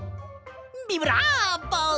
ビブラーボ！